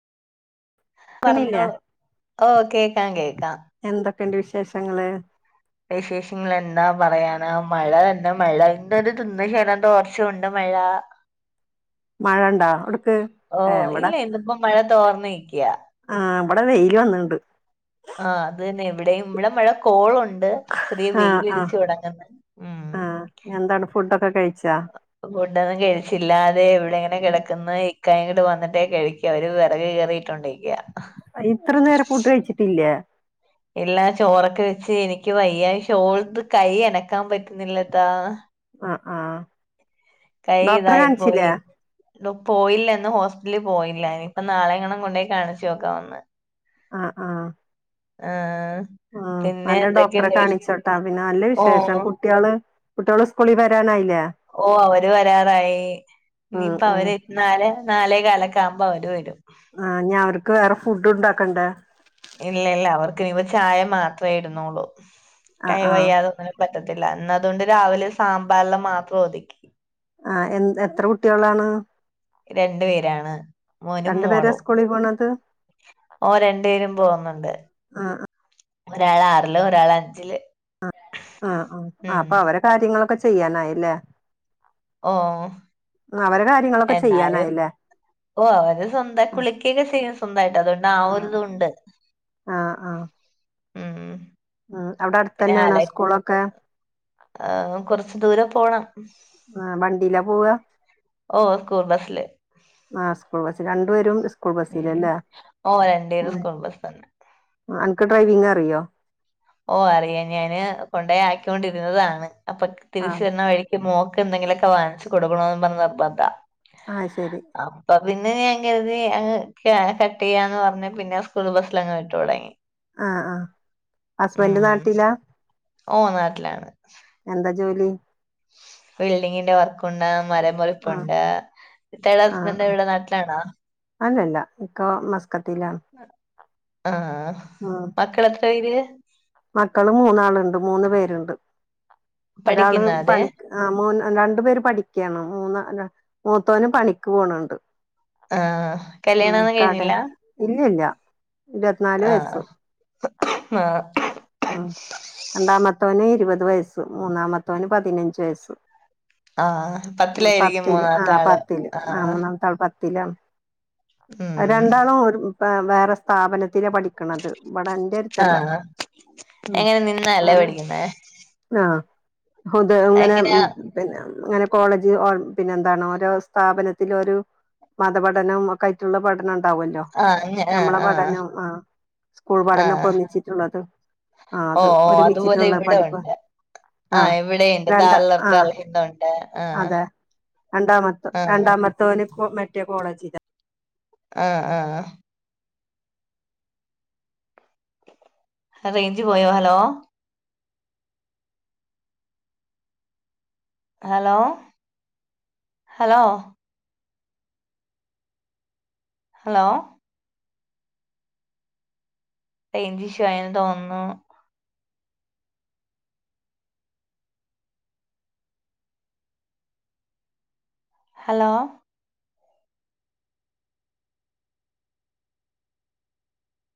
ക്ക്ണില്ലേ പറഞ്ഞോളൂ ഓഹ് കേക്കാം കേക്കാം എന്തൊക്കെണ്ട് വിശേഷങ്ങള് വിശേഷ്ങ്ങ്ളെന്താ പറയാനാ മഴ തന്നെ മഴ ഇന്തത് തിന്ന് [unintelligible] തോർ ച്ചുണ്ട് മഴാ മഴണ്ടാ അവ്ട്ക്ക് ഏഹ് വെടെ പ്പം മഴ തോർന്ന് നിക്ക്യാ ആഹ് ബ്ടെ വെയ്ല് വന്ന്ണ്ട് ആഹ് അത് തന്നെ ഇവിടേയും ഇവിടെ മഴ കോളുണ്ട് ചെറിയ ആ ആ വെയ്ലടിച്ച് താെടങ്ങ്ന്ന് ഉം ആ എന്താണ് ഫുഡൊക്കെ കഴിച്ചാ ഫുഡൊന്നും കെഴിച്ചില്ലാതെ ഇവ്ടെ ഇങ്ങെനെ ഉം കെടക്ക്ന്ന് ക്കായും കൂടി വന്നിട്ടേ കഴിക്ക്യു അവെര് വെറെക് കീറിയിട്ടാേണ്ടിരിക്ക്യാ ആഹ് ഇത്രനേരം ഫുഡ്ഡ് കഴിച്ചിട്ടില്ലേ ഇല്ലാ ചോറൊക്കെ വെച്ച് എനിക്ക്യ് വയ്യായ് ശോൾഡ്റ് കയ്യനക്കാം പറ്റ്ന്നില്ലത്താ ആഹ് ആഹ് ഡോക്ടറെ കാൺച്ചില്ലേ ഡാെ പോയില്ല ഇന്ന് ഹോസ്പിറ്റ്ൽ പോയില്ല ഇനി ഇപ്പം നാളെയെങ്ങണം കൊണ്ടാേയ് കാണിച്ച് നോക്കാെണൊന്ന് ആഹ് ആഹ് ആഹ് ആഹ് പിന്നെ നല്ല ഡോക്ടറെ എന്തൊക്കെയുണ്ട് വിശ് കാണിച്ചോട്ടാ പിന്നെ നല്ല ഓ വിശേഷം കുട്ട്യാള് കുട്ട്യോള് സ്കൂളി വരാനായ്ല്ലേ ഓഹ് അവര് വരാറായി ഉം ഉം നിപ്പവെര് നാല് നാലേ കാലാെക്കെ ആവ്‌മ്പം അവെര് വരും ആഹ് ഞ്ഞ് അവർക്ക് വേറെ ഫുഡ്ഡുംണ്ടാക്കണ്ടേ ഇല്ല ഇല്ല അവർക്ക്നിയിപ്പ ചായ മാത്രേ ഇട്ന്നാേള്ളൂ ആ കൈ ആ വയ്യാതെങ്ങെനെ പറ്റത്തില്ല ഇന്നതുകൊണ്ട് രാവിലെ സാമ്പാർല് മാത്രം ഒത്ക്കി ആഹ് എന്ത് എത്ര കുട്ടികളാണ് രണ്ട് പേരാണ് മോനും രണ്ടു പേരാ മോളും സ്കൂളി പോണത് ഓഹ് രണ്ട്പേരും പോവുന്നുണ്ട് ഒരാള് ആറില് ഒരാള് അഞ്ചില് അഹ് ആഹ് ആഹ് ആഹ് ഉം അപ്പൊ അവരെ കാര്യങ്ങളൊക്കെ ചെയ്യാനായി അല്ലേ ഓഹ് അവരെ കാര്യങ്ങളൊക്കെ ചെയ്യാനായി ല്ലേ ഓഹ് അവര് സ്വന്തം കുളിക്കേ ഒക്കെ ചെയ്യും സ്വന്തായിട്ട് അതുകൊണ്ട് ആ ഒര് ആഹ് ഇതും ഉണ്ട് ആഹ് ആഹ് ഉം ആഹ് അവിടെ അടുത്ത് പിന്നെ തന്നെ ആണോ അല സ്കൂള് ഒക്കെ ആഹ് കുറച്ച് ദൂരം പോണം. ആഹ് വണ്ടിയിലാ പോവ ഓ സ്കൂൾ ബസ്സില്. ആഹ് സ്കൂൾ ബസ് രണ്ടുപേരും സ് ഉം ഉം ഓഹ് രണ്ട് പേരും സ്കൂൾ ബസ് തന്നെ. ആഹ് അൻക്ക് ഡ്രൈവിംഗ് അറിയോ ഓഹ് അറിയ ഞാന് കൊണ്ട് പോയി ആക്കിക്കൊണ്ടിരുന്നതാണ് അപ്പൊ തിരിച്ചു ആഹ് വരുന്ന വഴി ഈ മോക്ക് എന്തെങ്കിലും ഒക്കെ വാങ്ങിച്ച് കൊടുക്കണോം എന്നും പറഞ്ഞു നിർബന്ധാ ആഹ് ശരി. അപ്പൊ പിന്നെ ഞാൻ കരുതി അങ്ങ് കട്ട് ചെയ്യാന്ന് പറഞ്ഞ പിന്നെ സ്കൂൾ ബസ്സില് അങ്ങ് കേറി തുടങ്ങി. ആഹ് ആഹ് ഹസ്ബന്റ് നാട്ടിലാ ഓഹ് നാട്ടിലാണ്. എന്താ ജോലി ബിൽഡിങ്ങിന്റെ വർക്കുണ്ട് മരം ആഹ് മുറിപ്പുണ്ട്. ഇത്തേടെ ഹസ്ബൻഡ് എവിടെ നാട്ടിലാണോ അല്ല അല്ല ഇക്കാ മസ്കത്തിലാണ്. ആഹ് ഉം മക്കൾ എത്ര പേര് മക്കള് മൂന്ന് ആളുണ്ട് മൂന്ന് പേരുണ്ട് ഒരാള് പഠിക്കുന്ന അതെ പണി ആഹ് മൂ രണ്ടു പേര് പഠിക്ക്യാണ് മൂന്ന മൂത്തവനും പണിക്ക് പോണ്‌ണ്ട്. ആഹ് ഉം കല്യാണൊന്നും കടേ കഴിഞ്ഞില്ല ഇല്ല ഇല്ല ഇരുപത്തിനാല് വയസു ആഹ് ആഹ് ഉം രണ്ടാമത്തോന് ഇരുപത് വയസ്സ് മൂന്നാമത്തവന് പതിനഞ്ച് വയസ്സ് ആഹ് ഉം പത്തിലായിരിക്കും പത്തില് മൂന്നാമത്തെ ആഹ് ആള് പത്തില് ആഹ് മൂന്നാമത്തെ ആൾ പ ത്തിലാണ് അത് ഉം രണ്ടാളും ഒരു പാ വേറെ സ്ഥാപനത്തില പഠി ക്ക്ണത് ഇവടെ എന്റെ എടുത്ത് അല്ല ആഹ് എങ്ങനെ നിന്നാ അല്ലേ പഠിക്കുന്നേ ആഹ് [unintelligible] ഇങ്ങനെ എങ്ങനെയാ പിന്നെ അങ്ങനെ കോളേജില് ഓരോ പിന്നെ എന്താണ് ഓരോ സ്ഥാപനത്തില് ഒരു മതപഠനം ഒക്കെ ആയിട്ടുള്ള പഠനം ണ്ടാവല്ലോ ആഹ് അങ്ങ ആഹ് ഞമ്മളെ ആഹ് പഠനം ആഹ് സ്കൂൾ പഠനം ഒക്കെ ഒന്നിച്ചിട്ടുള്ളത്. ആഹ് അത് ഓഹ് ഓഹ് അതുപോലെ ഒരുമിച്ചിട്ടുള്ള ഇവിടെ പഠിപ്പ് ഉണ്ട് ആഹ് ഇവിടെ ഇണ്ട് രണ്ട [unintelligible] ആഹ് രണ്ടാമത്തവൻ ആഹ് രണ്ടാമത്തവന് കോ മറ്റേ കോളേജിലാ ആഹ് ആഹ് ആഹ് അത് റെയ്ഞ്ച് പോയോ hello. Hello hello hello. Range issue ആയെന്ന് തോന്നുന്നു. ഹലോ